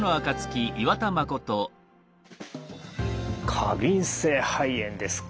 過敏性肺炎ですか。